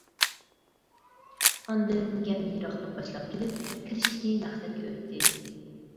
ئاندىن گەپنى يىراقتىن باشلاپ كېلىپ، كىرىشتىكى مەقسەتكە ئۆتتى.